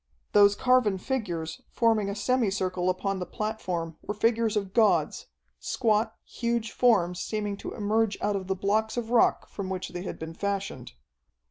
Those carven figures, forming a semi circle upon the platform were figures of gods, squat, huge forms seeming to emerge out of the blocks of rock from which they had been fashioned.